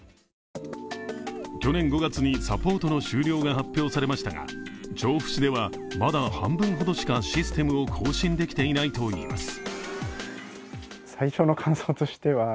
去年５月にサポートの終了が発表されましたが、調布市では、まだ半分ほどしかシステムを更新できていないといいます。